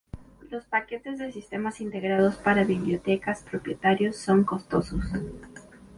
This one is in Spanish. Los paquetes de sistemas integrados para bibliotecas propietarios son costosos.